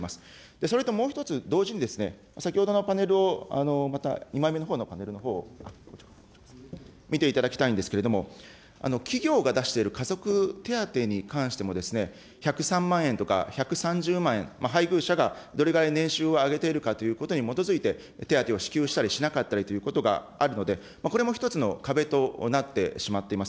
それともう一つ、同時に先ほどのパネルをまた、２枚目のパネルのほうを見ていただきたいんですけれども、企業が出している家族手当に関しても、１０３万円とか、１３０万円、配偶者がどれぐらい年収をあげているかということに基づいて、手当を支給したり、しなかったりということがあるので、これも一つの壁となってしまっています。